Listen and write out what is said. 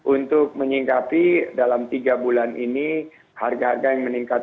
untuk menyingkapi dalam tiga bulan ini harga harga yang meningkat